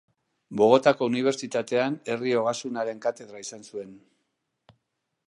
Bogotako Unibertsitatean Herri ogasunaren katedra izan zuen.